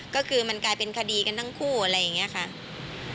ก็คือมันกลายเป็นคดีกันทั้งคู่อะไรอย่างนี้ค่ะ